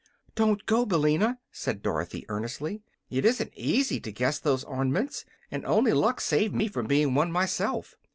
"Don't go, Billina," said Dorothy, earnestly. "It isn't easy to guess those orn'ments, and only luck saved me from being one myself.